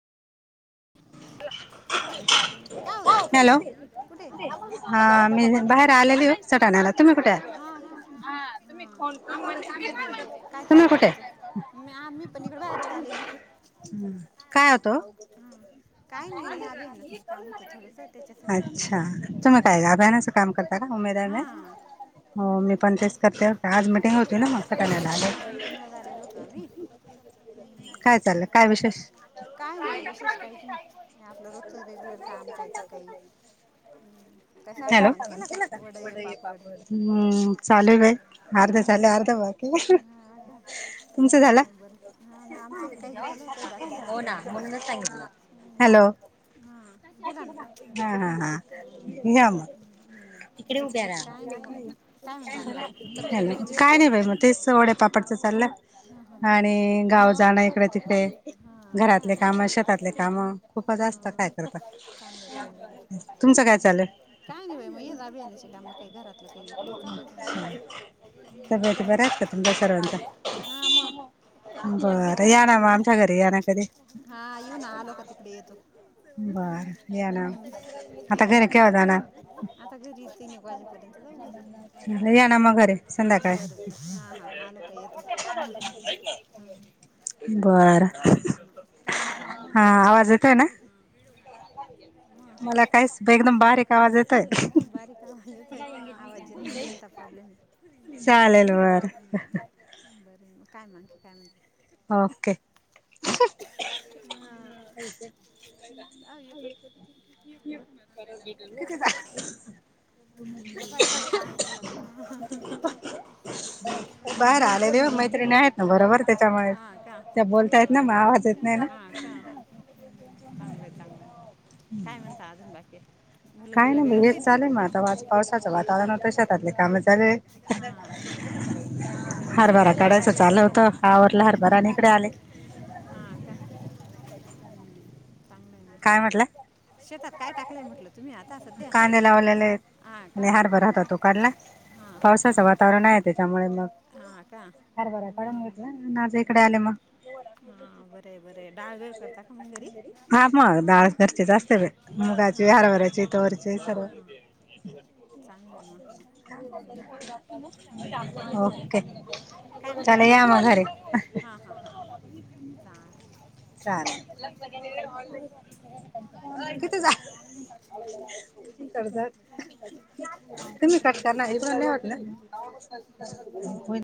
[unintelligible] [unintelligible] Hello कुठे आहे बाहेर आलं हां कां हां बरं मंग कायं चाललं, तुमचं मं मी पणं इकडे बाहेर आलेली होती. हम्मं कायं होतो. अच्छा तुम्हीं कायं कां अभयानाचं कामं करतां, कां उमेद आहे मी हो मी पणं तेचं करते. आंज मिटिंग, होती नां मगं सकाळंला आलें, कायं. चालं, कायं विषेष, कांहीं नाहीं बाई विशेष कांहीं चं नाहीं, आपलं रोजचं रेग्युलर कामं कांहीं ते कांहीं. हम्मं हॅलो, कां हम्मं चालूं आहे कायं, अर्ध झालं, अर्ध बाकी तुमचं झालं. हो नां म्हणूंन, सांगीतलं हॅलो हां, हां, हां यां मंग तिकडे उभ्यां रहां, हॅलो कायं नाहीं बाई मगं, ते सेवढ्यां पापडचं चाललं. आणि गाव जाणं इकडे तिकडे. घरातले काम शेतातले काम खूपच असत काय करता तुमचं काय काय नाही बाई [unintelligible] काम काय घरातलं केलं की चालू, [unintelligible] तब्येती बऱ्या आहेत का तुमच्या सर्वांचा. हा म हा येऊ ना, आलो का तिकडे येतो. [unintelligible] आता घरी तीन एक वाजेपर्यंत जाऊ घरी. बर हा हा आलो का येतो हू हू हू बर हा आवाज येतय ना. ह बारीक आवाज येतोय, आवाज येत नाही रेंजचा प्रॉब्लेमये चालेल बर बरं काय [unintelligible] ओके. [unintelligible] परत भेटल [unintelligible] बाहेर आलेले ओ मैत्रिणी आहेत ना बरोबर त्याच्यामुळे. हां का ह हां का चांगलं चांगलं काय म्हणता अजून बाकी काय नाही म्हणजे चालेल मझ तवाच पावसाचं वातावरणात होत शेतातले काम चालूयेत हरभरा काढायचं चालू होतं, आवरला हरभरा आणि इकडे आले. हा का हू चांगलय काय म्हंटला शेतात काय टाकलंय म्हटलं. तुम्ही आत्ता असं कांदे लावलेले आहेत आणि हारभरा होता तो काढला पावसाच वाता वरण आहे त्याच्यामुळे मग हरभरा काढून घेतला आणि आज इकडे आले मग हा बरय बरय डाळगीळ करता का मग घरी मुगाची हरभऱ्याची तुरीची सर्व हो चला या मग घरी हाहा चा चाल [unintelligible] तुम्ही करताना हे बरं नाही होत ना